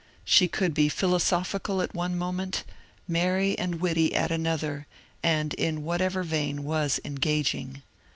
'' She could be philosophical at one moment, merry and witty at another, and in whatever vein was engaging.